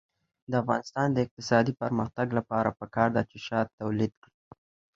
د افغانستان د اقتصادي پرمختګ لپاره پکار ده چې شات تولید شي.